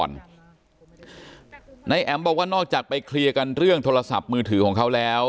นายแอ๋มบอกว่านอกจากไปเคลียร์กันเรื่องโทรศัพท์มือถือของเขาแล้ว